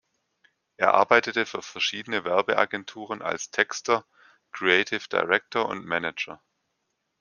Er arbeitete für verschiedene Werbeagenturen als Texter, Creative Director und Manager.